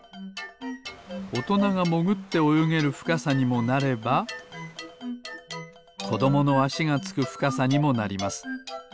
おとながもぐっておよげるふかさにもなればこどものあしがつくふかさにもなります。